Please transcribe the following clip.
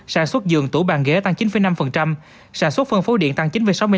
sản xuất giường tủ bàn ghế tăng chín năm sản xuất phân phối điện tăng chín sáu mươi năm